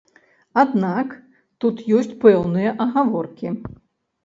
Аднак тут ёсць пэўныя агаворкі.